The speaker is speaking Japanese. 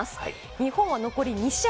日本は残り２試合。